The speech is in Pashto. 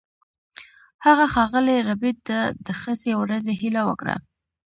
هغه ښاغلي ربیټ ته د ښې ورځې هیله وکړه